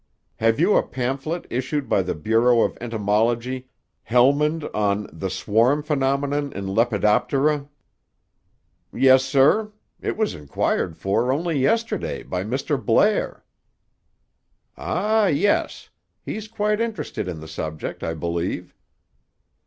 "Have you a pamphlet issued by the Bureau of Entomology, Helmund on The Swarm Phenomenon in Lepidoptera?" "Yes, sir. It was inquired for only yesterday by Mr. Blair." "Ah, yes. He's quite interested in the subject, I believe."